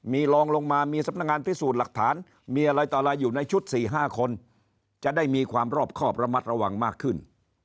มีรองลงมามีสำนักงานพิสูจน์หลักฐานมีอะไรต่ออะไรอยู่ในชุด๔๕คนจะได้มีความรอบครอบระมัดระวังมากขึ้น